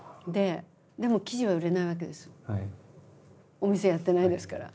お店やってないですから。